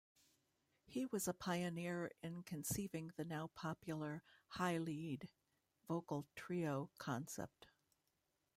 He was a pioneer in conceiving the now-popular "high lead" vocal trio concept.